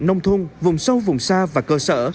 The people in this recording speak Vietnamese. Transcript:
nông thôn vùng sâu vùng xa và cơ sở